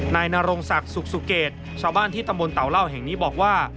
นายนารงสักสุกสุเกตชาวบ้านที่ตะมนต่าวเหล้าแห่งนี้บอกว่า